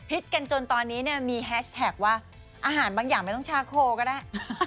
กันจนตอนนี้เนี่ยมีแฮชแท็กว่าอาหารบางอย่างไม่ต้องชาโคก็ได้